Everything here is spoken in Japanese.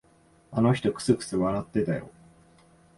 あの人、くすくす笑ってたよ。